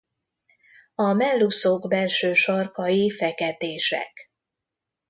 A mellúszók belső sarkai feketések.